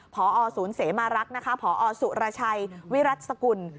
พอศูนย์เสมารักษ์นะคะพอสุรชัยวิรัติสกุล